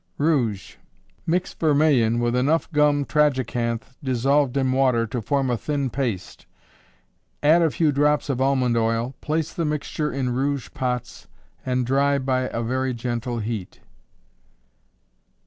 Rouge. Mix vermillion with enough gum tragacanth dissolved in water to form a thin paste; add a few drops of almond oil, place the mixture in rouge pots, and dry by a very gentle heat.